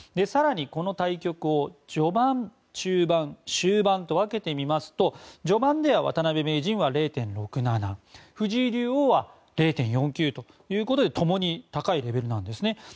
更に、この対局を序盤、中盤終盤と分けてみますと序盤では渡辺名人が０．６７藤井竜王は０．４９ということで共に高いレベルなんですね。